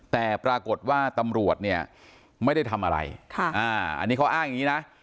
แต่ปรากฏว่าตำรวจเนี่ยไม่ได้ทำอะไรอันนี้เขาอ้างอย่างนี้นะ